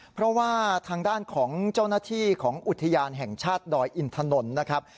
เพราะว่าทางด้านของเจ้าหน้าที่ของอุทยานแห่งชาติดอยอินถนนนะครับ